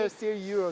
ya masih euro dua